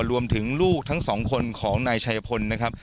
รวมถึงลูกทั้ง๒คนของนายชัยพนธ์